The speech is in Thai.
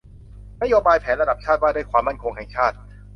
นโยบายแผนระดับชาติว่าด้วยความมั่นคงแห่งชาติ